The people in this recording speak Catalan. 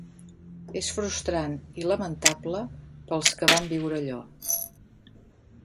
És frustrant i lamentable per als que vam viure allò.